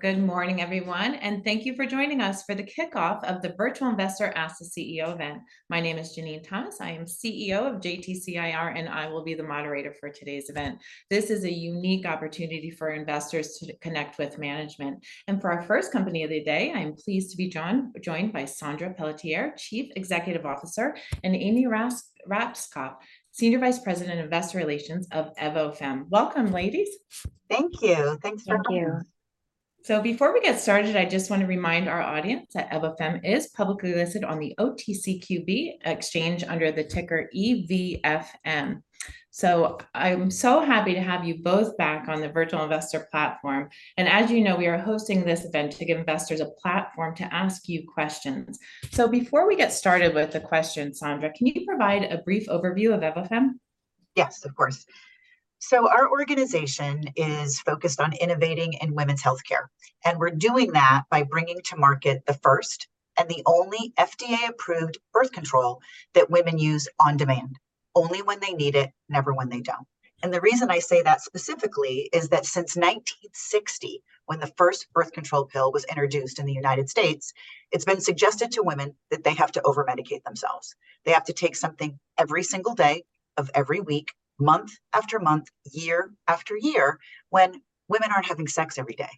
Good morning, everyone, and thank you for joining us for the kickoff of the Virtual Investor Ask the CEO event. My name is Jenene Thomas. I am CEO of JTC Team, and I will be the moderator for today's event. This is a unique opportunity for investors to connect with management. For our first company of the day, I am pleased to be joined by Saundra Pelletier, Chief Executive Officer, and Amy Raskopf, Senior Vice President of Investor Relations of Evofem. Welcome, ladies. Thank you. Thanks for having us. Thank you. So before we get started, I just wanna remind our audience that Evofem is publicly listed on the OTCQB Exchange under the ticker EVFM. So I'm so happy to have you both back on the Virtual Investor platform, and as you know, we are hosting this event to give investors a platform to ask you questions. So before we get started with the questions, Saundra, can you provide a brief overview of Evofem? Yes, of course. So our organization is focused on innovating in women's healthcare, and we're doing that by bringing to market the first and the only FDA-approved birth control that women use on demand, only when they need it, never when they don't. And the reason I say that specifically is that since 1960, when the first birth control pill was introduced in the United States, it's been suggested to women that they have to overmedicate themselves. They have to take something every single day of every week, month after month, year after year, when women aren't having sex every day.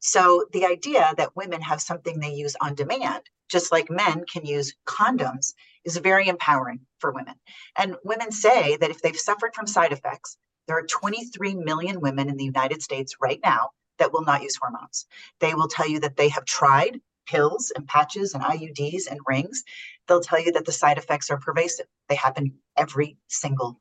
So the idea that women have something they use on demand, just like men can use condoms, is very empowering for women. And women say that if they've suffered from side effects, there are 23 million women in the United States right now that will not use hormones. They will tell you that they have tried pills and patches and IUDs and rings. They'll tell you that the side effects are pervasive. They happen every single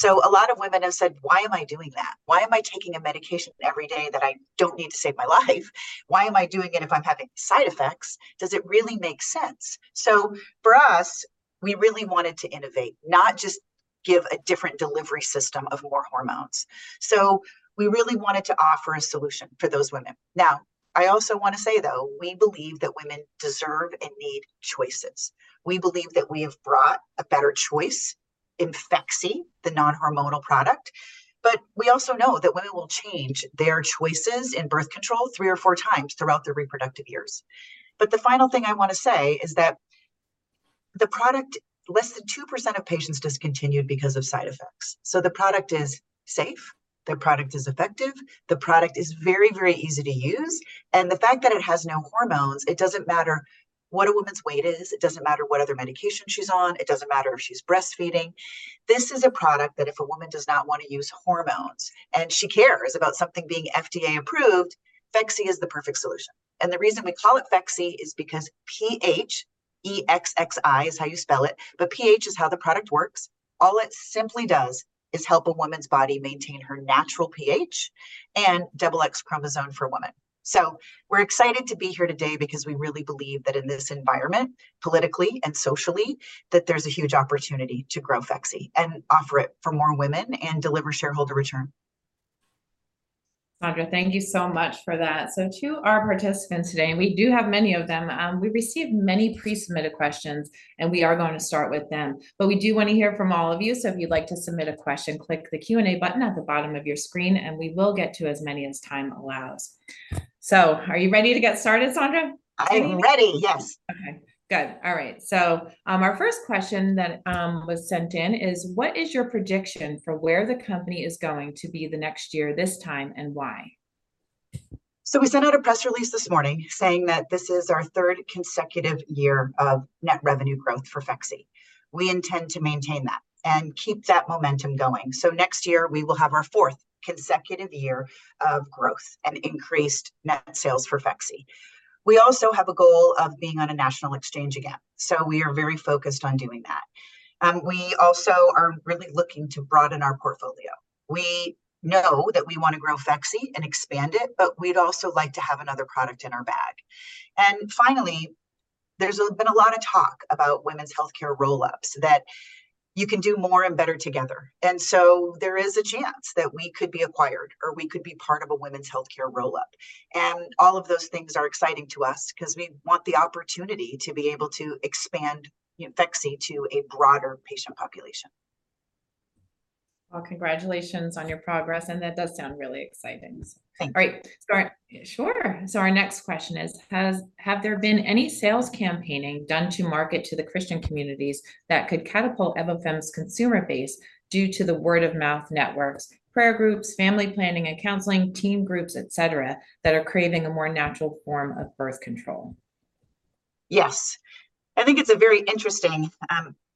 day. So a lot of women have said, "Why am I doing that? Why am I taking a medication every day that I don't need to save my life? Why am I doing it if I'm having side effects? Does it really make sense?" So for us, we really wanted to innovate, not just give a different delivery system of more hormones. So we really wanted to offer a solution for those women. Now, I also wanna say, though, we believe that women deserve and need choices. We believe that we have brought a better choice in Phexxi, the non-hormonal product, but we also know that women will change their choices in birth control three or four times throughout their reproductive years. The final thing I wanna say is that the product. Less than 2% of patients discontinued because of side effects, so the product is safe, the product is effective, the product is very, very easy to use, and the fact that it has no hormones, it doesn't matter what a woman's weight is, it doesn't matter what other medication she's on, it doesn't matter if she's breastfeeding. This is a product that if a woman does not wanna use hormones and she cares about something being FDA-approved, Phexxi is the perfect solution. The reason we call it Phexxi is because P-H... E-X-X-I is how you spell it, but pH is how the product works. All it simply does is help a woman's body maintain her natural pH and XX chromosome for women. We're excited to be here today because we really believe that in this environment, politically and socially, that there's a huge opportunity to grow Phexxi and offer it for more women and deliver shareholder return. Saundra, thank you so much for that. So to our participants today, and we do have many of them, we've received many pre-submitted questions, and we are going to start with them. But we do wanna hear from all of you, so if you'd like to submit a question, click the Q&A button at the bottom of your screen, and we will get to as many as time allows. So are you ready to get started, Saundra? I'm ready, yes! Okay, good. All right, so, our first question that was sent in is: "What is your prediction for where the company is going to be the next year this time, and why? So we sent out a press release this morning saying that this is our third consecutive year of net revenue growth for Phexxi. We intend to maintain that and keep that momentum going. So next year, we will have our fourth consecutive year of growth and increased net sales for Phexxi. We also have a goal of being on a national exchange again, so we are very focused on doing that. We also are really looking to broaden our portfolio. We know that we wanna grow Phexxi and expand it, but we'd also like to have another product in our bag. And finally, there's been a lot of talk about women's healthcare roll-ups, that you can do more and better together, and so there is a chance that we could be acquired, or we could be part of a women's healthcare roll-up. All of those things are exciting to us 'cause we want the opportunity to be able to expand, you know, Phexxi to a broader patient population. Well, congratulations on your progress, and that does sound really exciting. Thank you. All right. Sure. Have there been any sales campaigning done to market to the Christian communities that could catapult Evofem's consumer base due to the word-of-mouth networks, prayer groups, family planning and counseling, teen groups, et cetera, that are craving a more natural form of birth control? Yes. I think it's a very interesting,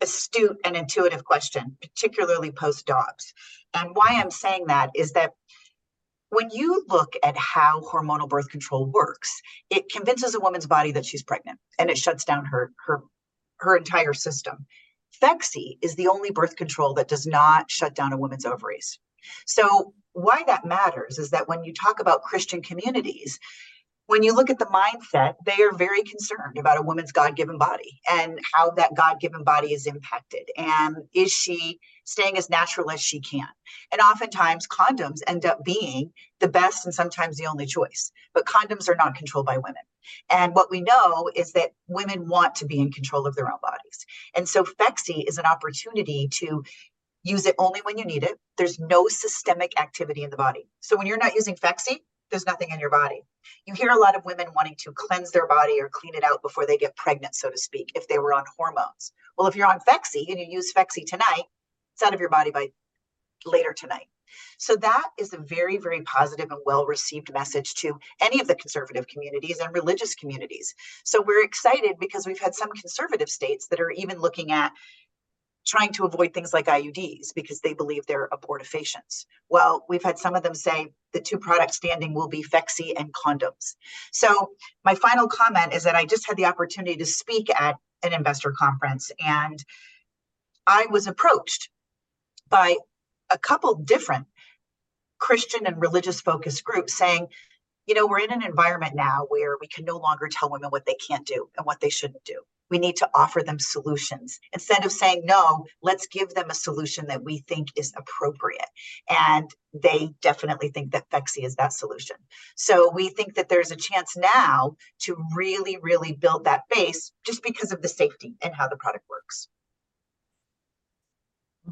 astute, and intuitive question, particularly post-Dobbs. And why I'm saying that is that when you look at how hormonal birth control works, it convinces a woman's body that she's pregnant, and it shuts down her entire system. Phexxi is the only birth control that does not shut down a woman's ovaries. So why that matters is that when you talk about Christian communities, when you look at the mindset, they are very concerned about a woman's God-given body and how that God-given body is impacted, and is she staying as natural as she can? And oftentimes, condoms end up being the best and sometimes the only choice, but condoms are not controlled by women, and what we know is that women want to be in control of their own bodies. And so Phexxi is an opportunity to. Use it only when you need it. There's no systemic activity in the body. So when you're not using Phexxi, there's nothing in your body. You hear a lot of women wanting to cleanse their body or clean it out before they get pregnant, so to speak, if they were on hormones. Well, if you're on Phexxi, and you use Phexxi tonight, it's out of your body by later tonight. So that is a very, very positive and well-received message to any of the conservative communities and religious communities. So we're excited because we've had some conservative states that are even looking at trying to avoid things like IUDs because they believe they're abortifacients. Well, we've had some of them say the two products standing will be Phexxi and condoms. So my final comment is that I just had the opportunity to speak at an investor conference, and I was approached by a couple different Christian and religious-focused groups saying, "You know, we're in an environment now where we can no longer tell women what they can't do and what they shouldn't do. We need to offer them solutions. Instead of saying no, let's give them a solution that we think is appropriate," and they definitely think that Phexxi is that solution. So we think that there's a chance now to really, really build that base just because of the safety and how the product works.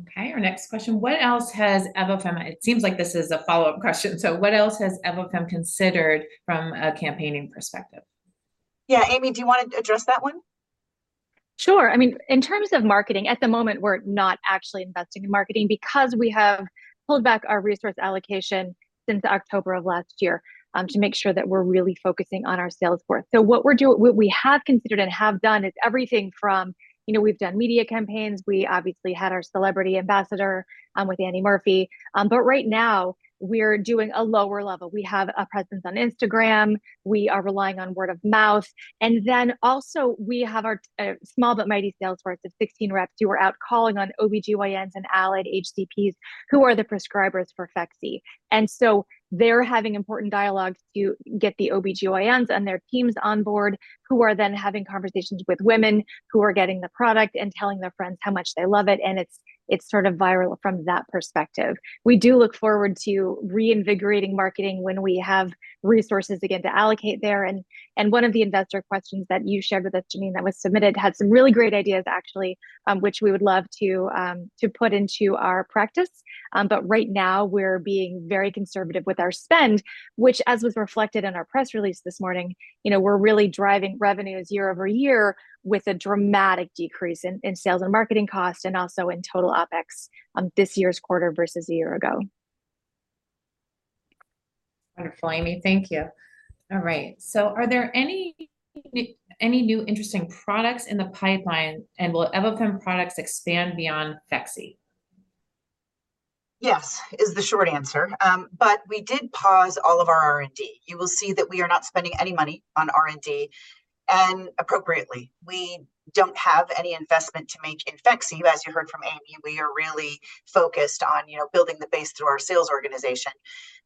Okay, our next question: What else has Evofem... It seems like this is a follow-up question. So what else has Evofem considered from a campaigning perspective? Yeah, Amy, do you wanna address that one? Sure. I mean, in terms of marketing, at the moment, we're not actually investing in marketing because we have pulled back our resource allocation since October of last year, to make sure that we're really focusing on our sales force. So what we're doing, what we have considered and have done is everything from, you know, we've done media campaigns, we obviously had our celebrity ambassador, with Annie Murphy. But right now, we're doing a lower level. We have a presence on Instagram. We are relying on word of mouth, and then also we have our, small but mighty sales force of 16 reps who are out calling on OBGYNs and allied HCPs, who are the prescribers for Phexxi. And so they're having important dialogues to get the OBGYNs and their teams on board, who are then having conversations with women who are getting the product and telling their friends how much they love it, and it's sort of viral from that perspective. We do look forward to reinvigorating marketing when we have resources again to allocate there. And one of the investor questions that you shared with us, Jenene, that was submitted, had some really great ideas, actually, which we would love to put into our practice. But right now, we're being very conservative with our spend, which, as was reflected in our press release this morning, you know, we're really driving revenues year-over-year with a dramatic decrease in sales and marketing costs and also in total OpEx this year's quarter versus a year ago. Wonderful, Amy. Thank you. All right, so are there any new interesting products in the pipeline, and will Evofem products expand beyond Phexxi? Yes, is the short answer. But we did pause all of our R&D. You will see that we are not spending any money on R&D, and appropriately. We don't have any investment to make in Phexxi. As you heard from Amy, we are really focused on, you know, building the base through our sales organization.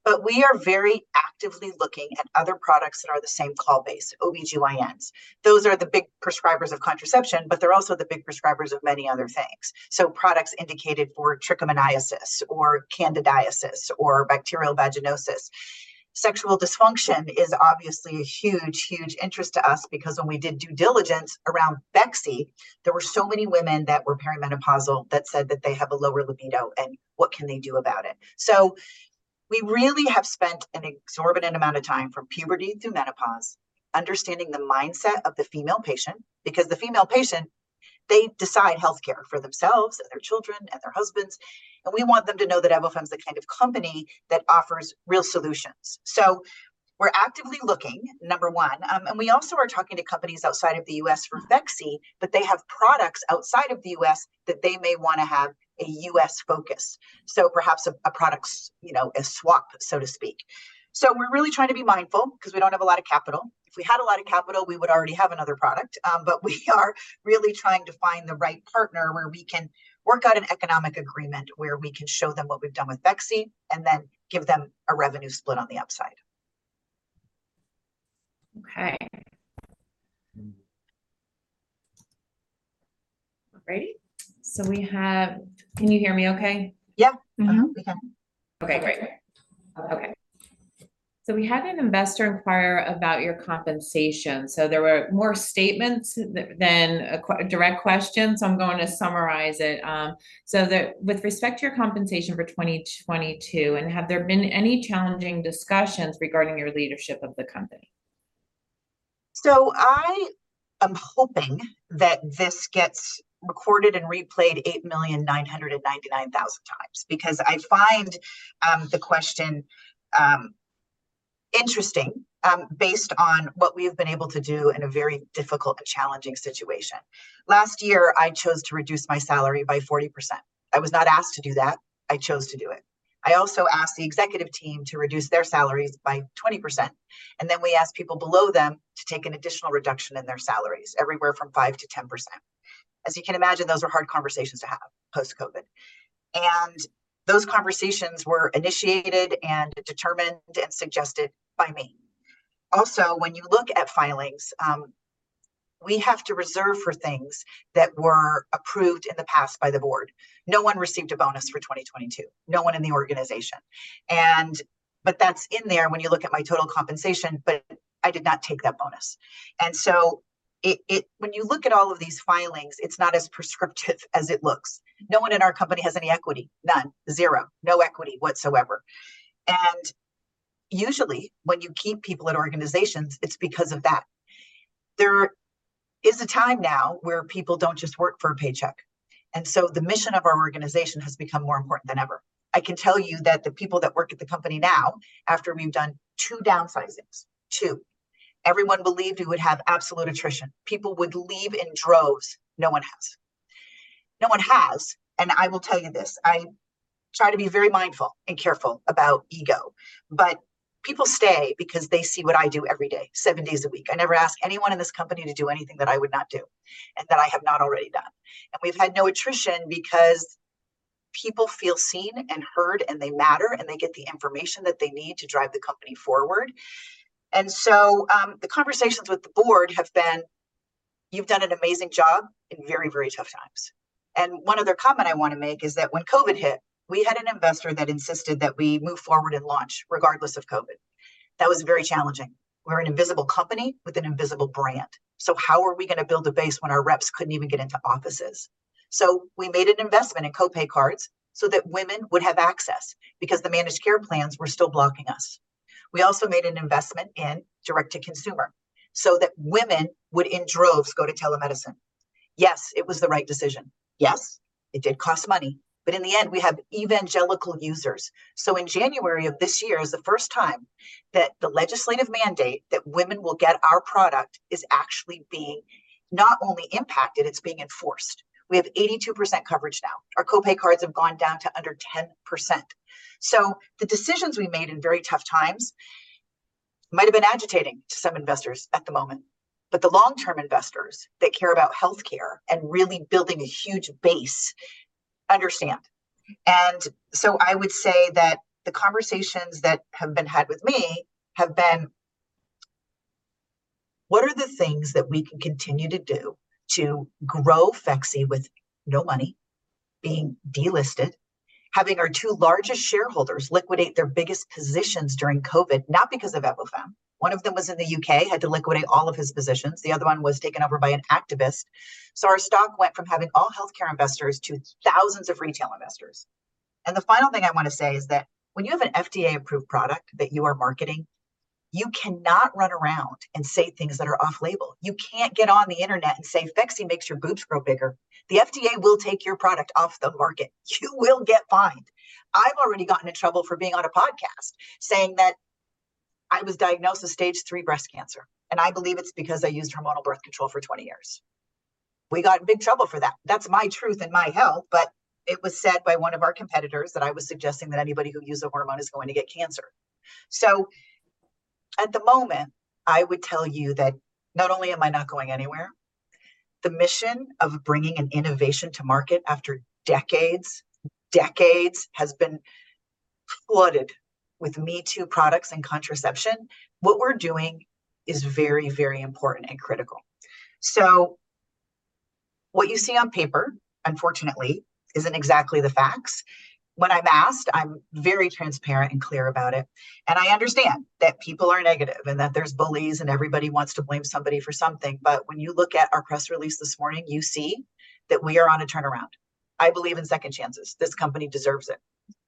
But we are very actively looking at other products that are the same call base, OBGYNs. Those are the big prescribers of contraception, but they're also the big prescribers of many other things, so products indicated for trichomoniasis or candidiasis or bacterial vaginosis. Sexual dysfunction is obviously a huge, huge interest to us because when we did due diligence around Phexxi, there were so many women that were perimenopausal that said that they have a lower libido, and what can they do about it? So we really have spent an exorbitant amount of time, from puberty through menopause, understanding the mindset of the female patient because the female patient, they decide healthcare for themselves and their children and their husbands, and we want them to know that Evofem's the kind of company that offers real solutions. So we're actively looking, number one, and we also are talking to companies outside of the U.S. for Phexxi, but they have products outside of the U.S. that they may wanna have a U.S. focus. So perhaps a product swap, you know, so to speak. So we're really trying to be mindful 'cause we don't have a lot of capital. If we had a lot of capital, we would already have another product. But we are really trying to find the right partner where we can work out an economic agreement where we can show them what we've done with Phexxi and then give them a revenue split on the upside. Okay. All righty, so we have. Can you hear me okay? Yeah. Mm-hmm. We can. Okay, great. Okay, so we had an investor inquire about your compensation. So there were more statements than a direct question, so I'm going to summarize it. So that with respect to your compensation for 2022, and have there been any challenging discussions regarding your leadership of the company? So I am hoping that this gets recorded and replayed 8,999,000 times because I find the question interesting based on what we've been able to do in a very difficult but challenging situation. Last year, I chose to reduce my salary by 40%. I was not asked to do that. I chose to do it. I also asked the executive team to reduce their salaries by 20%, and then we asked people below them to take an additional reduction in their salaries, everywhere from 5% to 10%. As you can imagine, those are hard conversations to have post-COVID, and those conversations were initiated and determined and suggested by me. Also, when you look at filings, we have to reserve for things that were approved in the past by the board. No one received a bonus for 2022, no one in the organization, and but that's in there when you look at my total compensation, but I did not take that bonus. And so it, when you look at all of these filings, it's not as prescriptive as it looks. No one in our company has any equity, none, zero, no equity whatsoever, and usually when you keep people at organizations, it's because of that. There is a time now where people don't just work for a paycheck, and so the mission of our organization has become more important than ever. I can tell you that the people that work at the company now, after we've done two downsizings, two, everyone believed we would have absolute attrition. People would leave in droves. No one has. No one has, and I will tell you this, I try to be very mindful and careful about ego, but people stay because they see what I do every day, seven days a week. I never ask anyone in this company to do anything that I would not do, and that I have not already done. We've had no attrition because people feel seen and heard, and they matter, and they get the information that they need to drive the company forward. The conversations with the board have been, "You've done an amazing job in very, very tough times." One other comment I wanna make is that when COVID hit, we had an investor that insisted that we move forward and launch, regardless of COVID. That was very challenging. We're an invisible company with an invisible brand, so how are we gonna build a base when our reps couldn't even get into offices? So we made an investment in co-pay cards so that women would have access, because the managed care plans were still blocking us. We also made an investment in direct-to-consumer, so that women would, in droves, go to telemedicine. Yes, it was the right decision. Yes, it did cost money, but in the end, we have evangelical users. So in January of this year, is the first time that the legislative mandate that women will get our product is actually being not only impacted, it's being enforced. We have 82% coverage now. Our co-pay cards have gone down to under 10%. So the decisions we made in very tough times might have been agitating to some investors at the moment, but the long-term investors that care about healthcare and really building a huge base understand. I would say that the conversations that have been had with me have been: what are the things that we can continue to do to grow Phexxi with no money, being delisted, having our two largest shareholders liquidate their biggest positions during COVID? Not because of Evofem. One of them was in the U.K., had to liquidate all of his positions. The other one was taken over by an activist. So our stock went from having all healthcare investors to thousands of retail investors. The final thing I wanna say is that when you have an FDA-approved product that you are marketing, you cannot run around and say things that are off-label. You can't get on the internet and say, "Phexxi makes your boobs grow bigger." The FDA will take your product off the market. You will get fined. I've already gotten in trouble for being on a podcast, saying that I was diagnosed with stage three breast cancer, and I believe it's because I used hormonal birth control for 20 years. We got in big trouble for that. That's my truth and my health, but it was said by one of our competitors that I was suggesting that anybody who uses hormone is going to get cancer. So at the moment, I would tell you that not only am I not going anywhere, the mission of bringing an innovation to market after decades, decades, has been flooded with me-too products and contraception. What we're doing is very, very important and critical. So what you see on paper, unfortunately, isn't exactly the facts. When I'm asked, I'm very transparent and clear about it, and I understand that people are negative, and that there's bullies, and everybody wants to blame somebody for something, but when you look at our press release this morning, you see that we are on a turnaround. I believe in second chances. This company deserves it.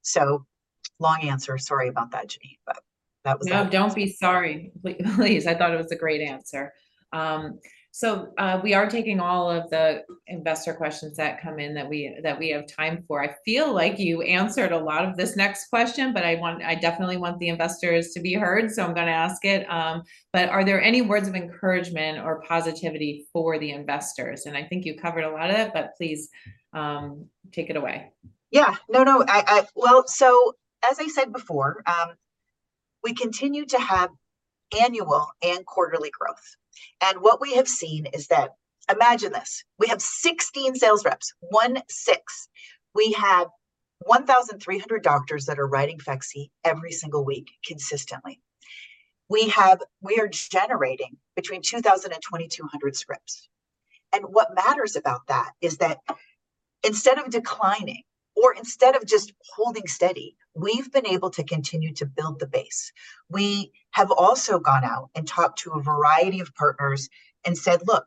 So long answer, sorry about that, Jenene, but that was. No, don't be sorry, please. I thought it was a great answer. So, we are taking all of the investor questions that come in that we, that we have time for. I feel like you answered a lot of this next question, but I want, I definitely want the investors to be heard, so I'm gonna ask it. But are there any words of encouragement or positivity for the investors? And I think you covered a lot of it, but please, take it away. Yeah. No, no,, well, so as I said before, we continue to have annual and quarterly growth, and what we have seen is that, imagine this, we have 16 sales reps, 16. We have 1,300 doctors that are writing Phexxi every single week consistently. We are generating between 2,000 and 2,200 scripts, and what matters about that is that instead of declining or instead of just holding steady, we've been able to continue to build the base. We have also gone out and talked to a variety of partners and said: "Look,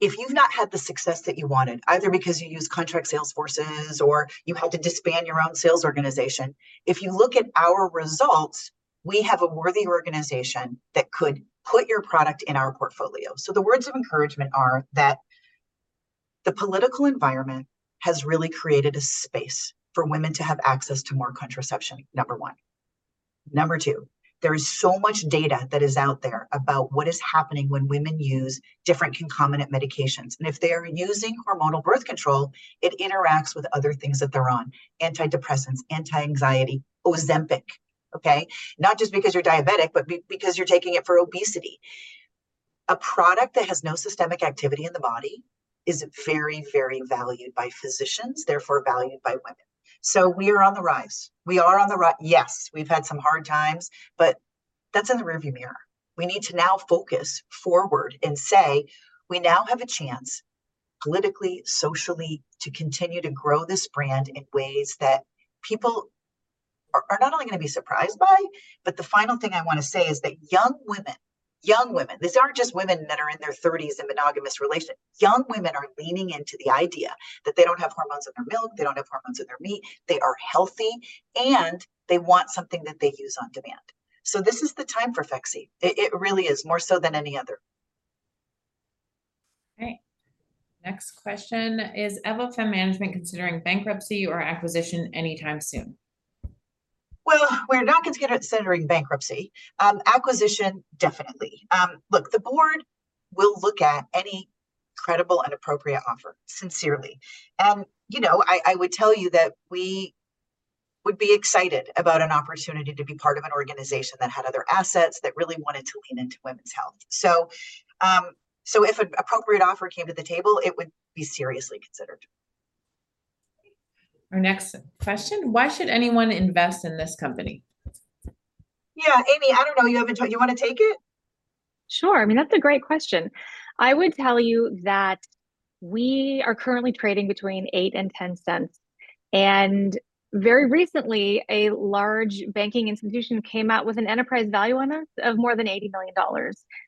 if you've not had the success that you wanted, either because you used contract sales forces or you had to disband your own sales organization, if you look at our results, we have a worthy organization that could put your product in our portfolio." So the words of encouragement are that the political environment has really created a space for women to have access to more contraception, number one. Number two, there is so much data that is out there about what is happening when women use different concomitant medications, and if they are using hormonal birth control, it interacts with other things that they're on. Antidepressants, anti-anxiety, Ozempic, okay? Not just because you're diabetic, but because you're taking it for obesity. A product that has no systemic activity in the body is very, very valued by physicians, therefore, valued by women. So we are on the rise. We are on the rise. Yes, we've had some hard times, but that's in the rearview mirror. We need to now focus forward and say, we now have a chance, politically, socially, to continue to grow this brand in ways that people are, are not only going to be surprised by, but the final thing I wanna say is that young women, young women, these aren't just women that are in their 30s in monogamous relationships. Young women are leaning into the idea that they don't have hormones in their milk, they don't have hormones in their meat, they are healthy, and they want something that they use on demand. So this is the time for Phexxi. It really is, more so than any other. Okay. Next question: "Is Evofem Management considering bankruptcy or acquisition anytime soon? Well, we're not considering bankruptcy. Acquisition, definitely. Look, the board will look at any credible and appropriate offer, sincerely. And, you know, I would tell you that we would be excited about an opportunity to be part of an organization that had other assets, that really wanted to lean into women's health. So, so if an appropriate offer came to the table, it would be seriously considered. Our next question: "Why should anyone invest in this company? Yeah, Amy, I don't know, you haven't, you wanna take it? Sure. I mean, that's a great question. I would tell you that we are currently trading between $0.08 and $0.10, and very recently, a large banking institution came out with an enterprise value on us of more than $80 million.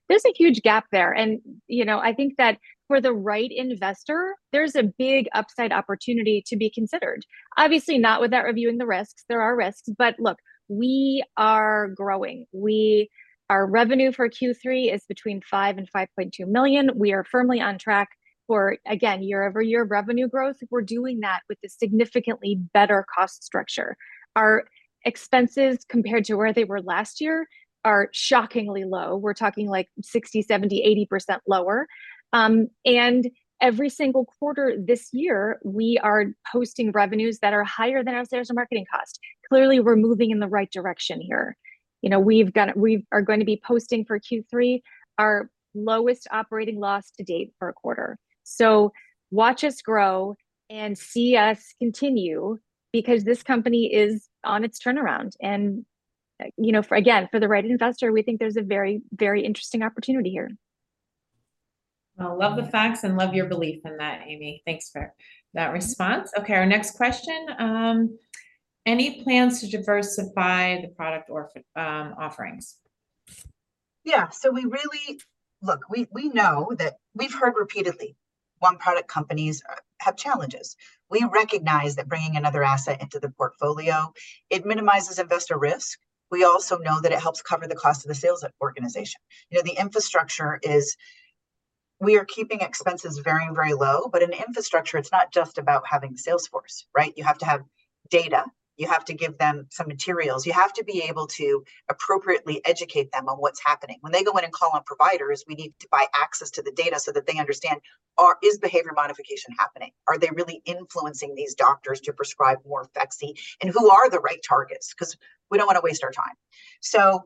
There's a huge gap there, and, you know, I think that for the right investor, there's a big upside opportunity to be considered. Obviously, not without reviewing the risks. There are risks, but look, we are growing. Our revenue for Q3 is between $5 million and $5.2 million. We are firmly on track for, again, year-over-year revenue growth. We're doing that with a significantly better cost structure. Our expenses compared to where they were last year are shockingly low. We're talking, like, 60%-80% lower. And every single quarter this year, we are posting revenues that are higher than our sales and marketing cost. Clearly, we're moving in the right direction here. You know, we are going to be posting for Q3 our lowest operating loss to date for a quarter. So watch us grow and see us continue, because this company is on its turnaround, and, you know, for again, for the right investor, we think there's a very, very interesting opportunity here. Well, love the facts and love your belief in that, Amy. Thanks for that response. Okay, our next question: "Any plans to diversify the product or offerings? Yeah, so we really look, we know that we've heard repeatedly, one-product companies are, have challenges. We recognize that bringing another asset into the portfolio, it minimizes investor risk. We also know that it helps cover the cost of the sales organization. You know, the infrastructure is, we are keeping expenses very, very low, but in infrastructure, it's not just about having sales force, right? You have to have data. You have to give them some materials. You have to be able to appropriately educate them on what's happening. When they go in and call on providers, we need to buy access to the data so that they understand, is behavior modification happening? Are they really influencing these doctors to prescribe more Phexxi, and who are the right targets? 'Cause we don't wanna waste our time. So,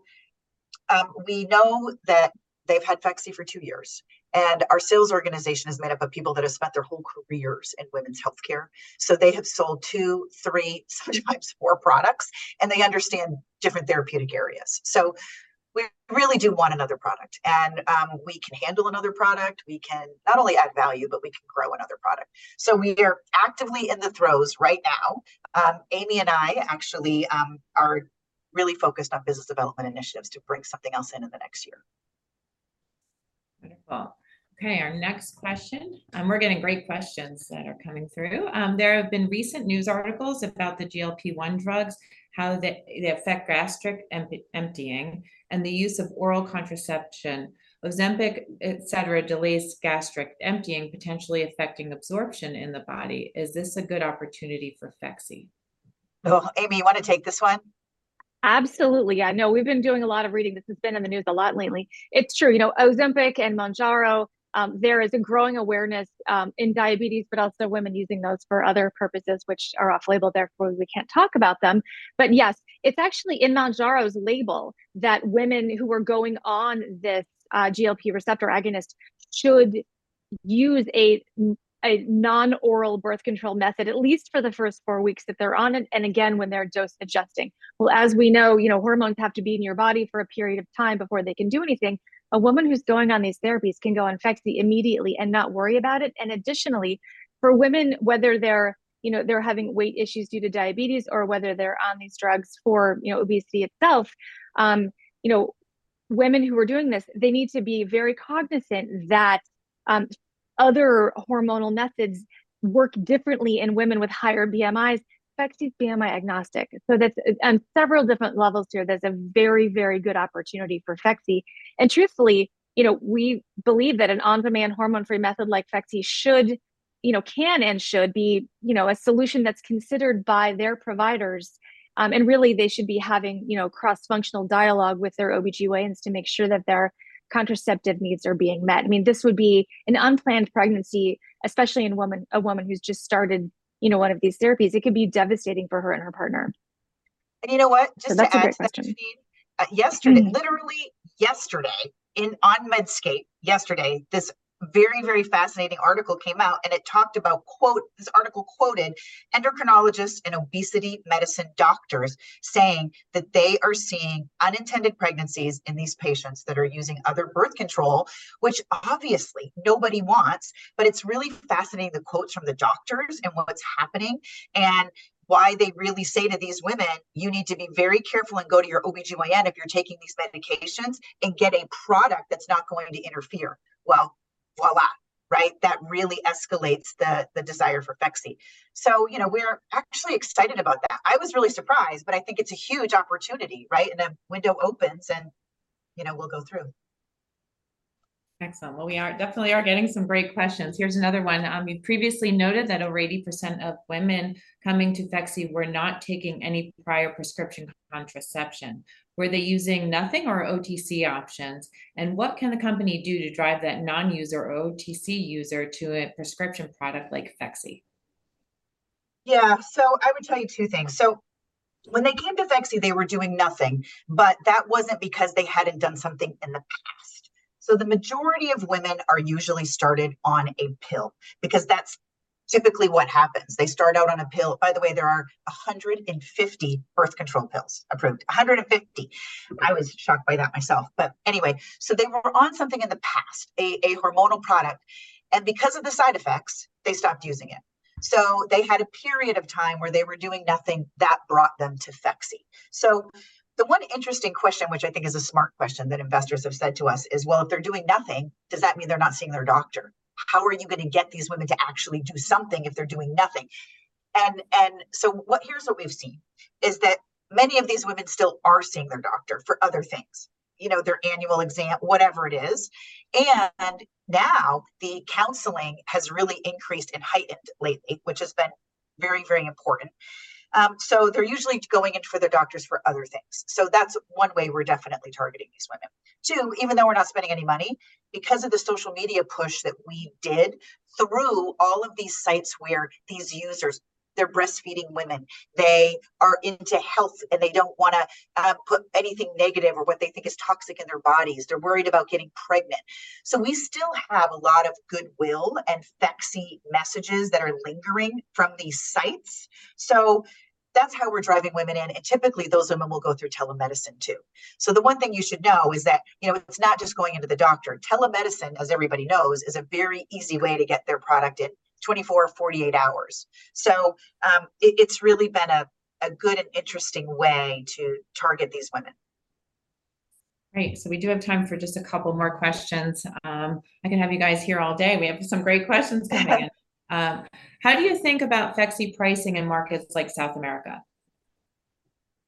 we know that they've had Phexxi for two years, and our sales organization is made up of people that have spent their whole careers in women's healthcare, so they have sold two, three, sometimes four products, and they understand different therapeutic areas. So we really do want another product, and we can handle another product. We can not only add value, but we can grow another product. So we are actively in the throes right now. Amy and I actually are really focused on business development initiatives to bring something else in the next year. Wonderful. Okay, our next question, and we're getting great questions that are coming through. "There have been recent news articles about the GLP-1 drugs, how they affect gastric emptying and the use of oral contraception. Ozempic, et cetera, delays gastric emptying, potentially affecting absorption in the body. Is this a good opportunity for Phexxi? Well, Amy, you wanna take this one? Absolutely. Yeah, no, we've been doing a lot of reading. This has been in the news a lot lately. It's true, you know, Ozempic and Mounjaro, there is a growing awareness, in diabetes, but also women using those for other purposes, which are off-label, therefore we can't talk about them. But yes, it's actually in Mounjaro's label that women who are going on this, a non-oral birth control method, at least for the first four weeks that they're on it, and again, when they're dose adjusting. Well, as we know, you know, hormones have to be in your body for a period of time before they can do anything. A woman who's going on these therapies can go on Phexxi immediately and not worry about it, and additionally, for women, whether they're, you know, they're having weight issues due to diabetes or whether they're on these drugs for, you know, obesity itself, you know, women who are doing this, they need to be very cognizant that, other hormonal methods work differently in women with higher BMIs. Phexxi's BMI agnostic, so that's on several different levels here, there's a very, very good opportunity for Phexxi. And truthfully, you know, we believe that an on-demand hormone-free method like Phexxi should, you know, can and should be, you know, a solution that's considered by their providers. And really, they should be having, you know, cross-functional dialogue with their OBGYNs to make sure that their contraceptive needs are being met. I mean, this would be... An unplanned pregnancy, especially in a woman who's just started, you know, one of these therapies, it could be devastating for her and her partner. You know what? Just to add, That's a great question. yesterday, literally yesterday, on Medscape, yesterday, very, very fascinating article came out, and it talked about, quote, this article quoted endocrinologists and obesity medicine doctors saying that they are seeing unintended pregnancies in these patients that are using other birth control, which obviously nobody wants. But it's really fascinating, the quotes from the doctors and what's happening, and why they really say to these women, "You need to be very careful and go to your OBGYN if you're taking these medications, and get a product that's not going to interfere." Well, voila, right? That really escalates the desire for Phexxi. So, you know, we're actually excited about that. I was really surprised, but I think it's a huge opportunity, right? And a window opens, and, you know, we'll go through. Excellent. Well, we are, definitely are getting some great questions. Here's another one. "We previously noted that over 80% of women coming to Phexxi were not taking any prior prescription contraception. Were they using nothing or OTC options? And what can the company do to drive that non-user or OTC user to a prescription product like Phexxi? Yeah, so I would tell you two things. So when they came to Phexxi, they were doing nothing, but that wasn't because they hadn't done something in the past. So the majority of women are usually started on a pill, because that's typically what happens. They start out on a pill. By the way, there are 150 birth control pills approved. 150. I was shocked by that myself. But anyway, so they were on something in the past, a hormonal product, and because of the side effects, they stopped using it. So they had a period of time where they were doing nothing. That brought them to Phexxi. So the one interesting question, which I think is a smart question, that investors have said to us is: "Well, if they're doing nothing, does that mean they're not seeing their doctor? How are you gonna get these women to actually do something if they're doing nothing?" Here's what we've seen: many of these women still are seeing their doctor for other things, you know, their annual exam, whatever it is. And now the counseling has really increased and heightened lately, which has been very, very important. So they're usually going in for their doctors for other things. So that's one way we're definitely targeting these women. Two, even though we're not spending any money, because of the social media push that we did through all of these sites where these users, they're breastfeeding women, they are into health, and they don't wanna put anything negative or what they think is toxic in their bodies. They're worried about getting pregnant. So we still have a lot of goodwill and Phexxi messages that are lingering from these sites. So that's how we're driving women in, and typically, those women will go through telemedicine, too. So the one thing you should know is that, you know, it's not just going into the doctor. Telemedicine, as everybody knows, is a very easy way to get their product in 24 to 48 hours. So, it's really been a good and interesting way to target these women. Great. So we do have time for just a couple more questions. I can have you guys here all day. We have some great questions coming in. How do you think about Phexxi pricing in markets like South America?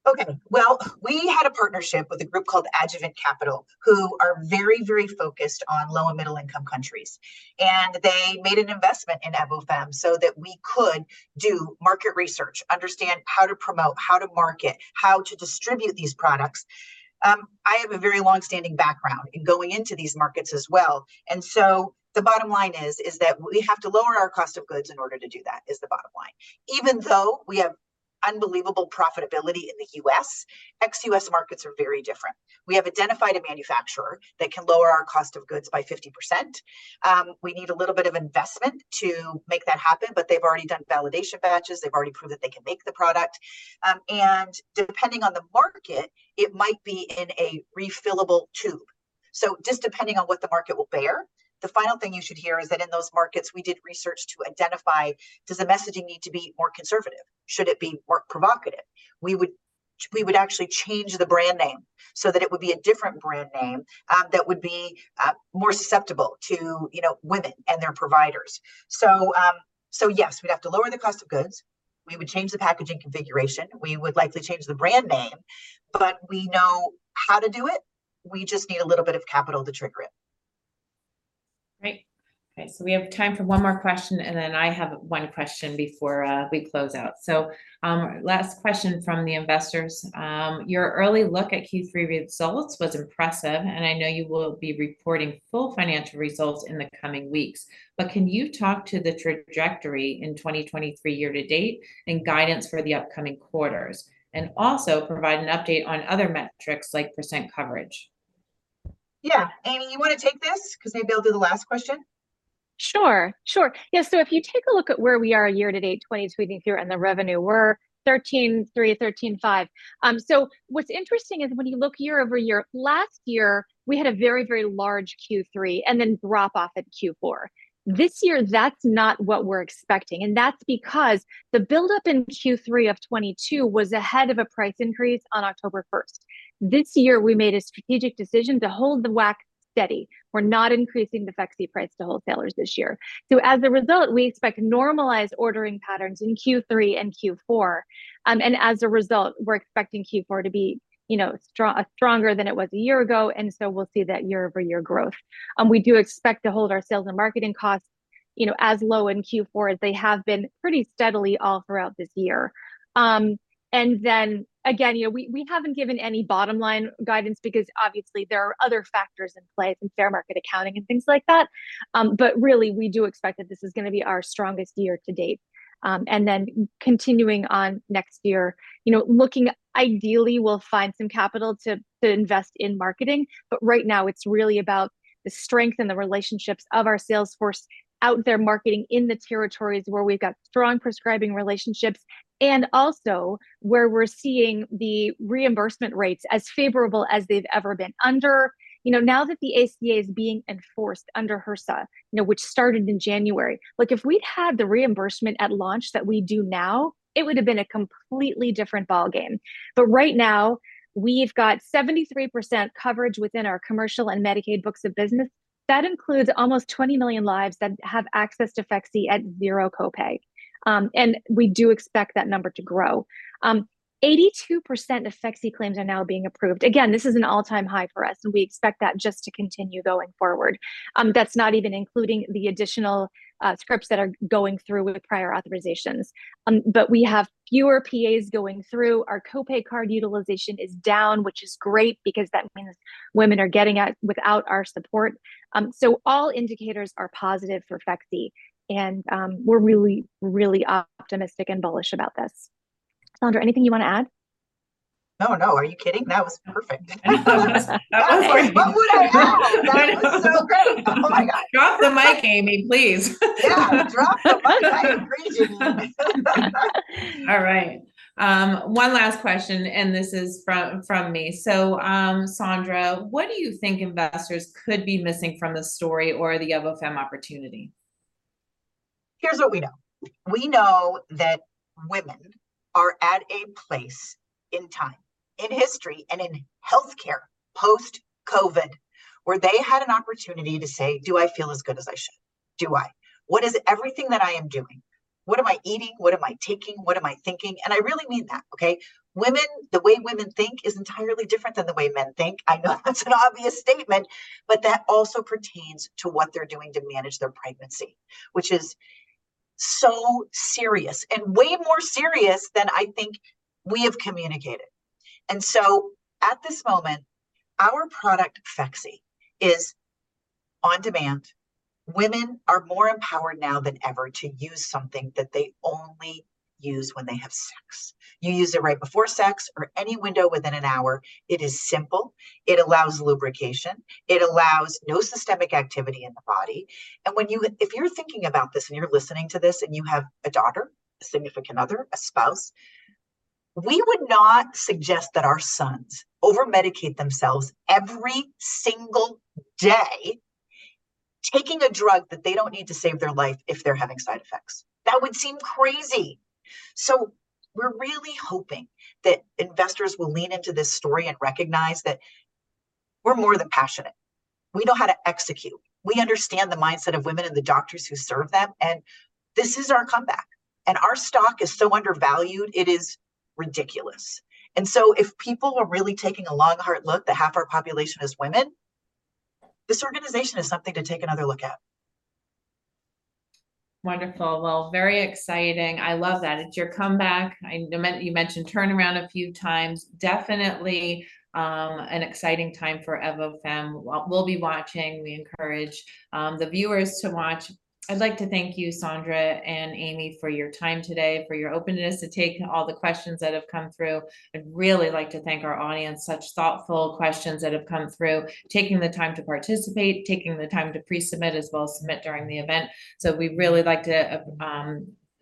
Okay, well, we had a partnership with a group called Adjuvant Capital, who are very, very focused on low and middle-income countries. And they made an investment in Evofem, so that we could do market research, understand how to promote, how to market, how to distribute these products. I have a very long-standing background in going into these markets as well, and so the bottom line is, is that we have to lower our cost of goods in order to do that, is the bottom line. Even though we have unbelievable profitability in the U.S., ex-U.S. markets are very different. We have identified a manufacturer that can lower our cost of goods by 50%. We need a little bit of investment to make that happen, but they've already done validation batches. They've already proved that they can make the product. And depending on the market, it might be in a refillable tube, so just depending on what the market will bear. The final thing you should hear is that in those markets, we did research to identify, does the messaging need to be more conservative? Should it be more provocative? We would actually change the brand name so that it would be a different brand name, that would be more susceptible to, you know, women and their providers. So, so yes, we'd have to lower the cost of goods. We would change the packaging configuration. We would likely change the brand name. But we know how to do it. We just need a little bit of capital to trigger it. Great. Okay, so we have time for one more question, and then I have one question before we close out. So, last question from the investors: "Your early look at Q3 results was impressive, and I know you will be reporting full financial results in the coming weeks. But can you talk to the trajectory in 2023 year-to-date and guidance for the upcoming quarters, and also provide an update on other metrics, like percent coverage? Yeah. Amy, you wanna take this? 'Cause maybe it'll do the last question. Sure, sure. Yeah, so if you take a look at where we are year-to-date 2023 on the revenue, we're $13.3, $13.5. So what's interesting is when you look year over year, last year we had a very, very large Q3 and then drop-off at Q4. This year, that's not what we're expecting, and that's because the build-up in Q3 of 2022 was ahead of a price increase on October 1st. This year, we made a strategic decision to hold the WAC steady. We're not increasing the Phexxi price to wholesalers this year. So as a result, we expect normalized ordering patterns in Q3 and Q4. And as a result, we're expecting Q4 to be, you know, stronger than it was a year ago, and so we'll see that year-over-year growth. We do expect to hold our sales and marketing costs-... You know, as low in Q4 as they have been pretty steadily all throughout this year. And then again, you know, we haven't given any bottom line guidance because obviously there are other factors in play from fair market accounting and things like that. But really, we do expect that this is gonna be our strongest year to date. And then continuing on next year, you know, looking ideally, we'll find some capital to invest in marketing, but right now it's really about the strength and the relationships of our sales force out there marketing in the territories where we've got strong prescribing relationships, and also where we're seeing the reimbursement rates as favorable as they've ever been. You know, now that the ACA is being enforced under HRSA, you know, which started in January, like, if we'd had the reimbursement at launch that we do now, it would've been a completely different ballgame. But right now, we've got 73% coverage within our commercial and Medicaid books of business. That includes almost 20 million lives that have access to Phexxi at zero copay, and we do expect that number to grow. 82% of Phexxi claims are now being approved. Again, this is an all-time high for us, and we expect that just to continue going forward. That's not even including the additional scripts that are going through with prior authorizations. But we have fewer PAs going through. Our copay card utilization is down, which is great because that means women are getting it without our support. So all indicators are positive for Phexxi, and we're really, really optimistic and bullish about this. Saundra, anything you wanna add? No, no, are you kidding? That was perfect. Of course, what would I add? I know. That was so great. Oh, my God. Drop the mic, Amy, please. Yeah, drop the mic. I agree. All right. One last question, and this is from me. So, Saundra, what do you think investors could be missing from the story or the Evofem opportunity? Here's what we know. We know that women are at a place in time, in history, and in healthcare post-COVID, where they had an opportunity to say, "Do I feel as good as I should? Do I? What is everything that I am doing? What am I eating? What am I taking? What am I thinking?" And I really mean that, okay? Women... The way women think is entirely different than the way men think. I know that's an obvious statement, but that also pertains to what they're doing to manage their pregnancy, which is so serious, and way more serious than I think we have communicated. And so at this moment, our product, Phexxi, is on demand. Women are more empowered now than ever to use something that they only use when they have sex. You use it right before sex or any window within an hour. It is simple. It allows lubrication. It allows no systemic activity in the body. And if you're thinking about this, and you're listening to this, and you have a daughter, a significant other, a spouse, we would not suggest that our sons overmedicate themselves every single day, taking a drug that they don't need to save their life if they're having side effects. That would seem crazy. So we're really hoping that investors will lean into this story and recognize that we're more than passionate. We know how to execute. We understand the mindset of women and the doctors who serve them, and this is our comeback. And our stock is so undervalued, it is ridiculous. And so if people are really taking a long, hard look, that half our population is women, this organization is something to take another look at. Wonderful. Well, very exciting. I love that. It's your comeback. I know you mentioned turnaround a few times. Definitely an exciting time for Evofem. We'll be watching. We encourage the viewers to watch. I'd like to thank you, Saundra and Amy, for your time today, for your openness to take all the questions that have come through. I'd really like to thank our audience, such thoughtful questions that have come through, taking the time to participate, taking the time to pre-submit, as well as submit during the event. So we'd really like to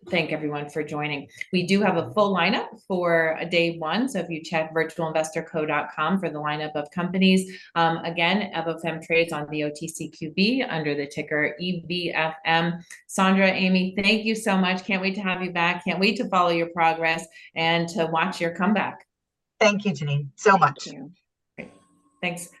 thank everyone for joining. We do have a full lineup for day one, so if you check virtualinvestorco.com for the lineup of companies. Again, Evofem trades on the OTCQB under the ticker EVFM. Saundra, Amy, thank you so much. Can't wait to have you back. Can't wait to follow your progress and to watch your comeback. Thank you, Jenene, so much. Thank you. Great. Thanks. Bye.